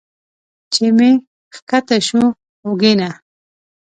چې مې ښکته شو اوږې نه